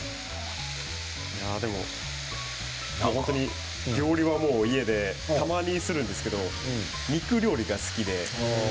でも本当に料理は、家でたまにするんですけど肉料理が好きで。